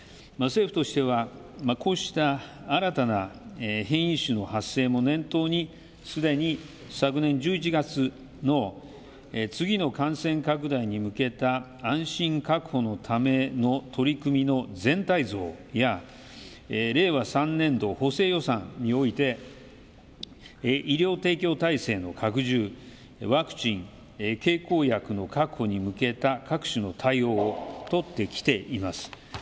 政府としては、こうした新たな変異種の発生も念頭にすでに昨年１１月の次の感染拡大に向けた安心確保のための取り組みの全体像や令和３年度補正予算において医療提供体制の拡充、ワクチン、経口薬の確保に向けた各種の対応を取ってきています。